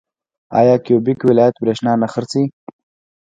آیا کیوبیک ولایت بریښنا نه خرڅوي؟